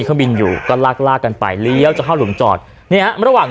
เครื่องบินอยู่ก็ลากลากกันไปเลี้ยวจะเข้าหลุมจอดเนี่ยระหว่าง